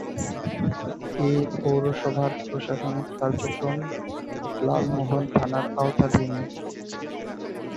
এ পৌরসভার প্রশাসনিক কার্যক্রম লালমোহন থানার আওতাধীন।